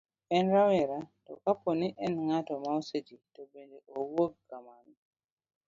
en rawera, to kapo ni en ng'at ma oseti to bende owuog kamano